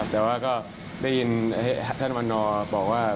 แต่ว่าก็ได้ยินท่านวันนอบอกว่า